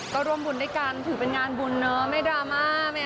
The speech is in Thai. ก็ร่วมบุญด้วยกันถือเป็นงานบุญเนอะไม่ดราม่า